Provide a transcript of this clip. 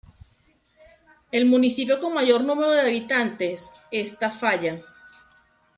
El municipio con mayor número de habitantes es Tafalla.